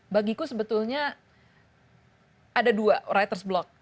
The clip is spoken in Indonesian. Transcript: bagiku sebetulnya ada dua writer's block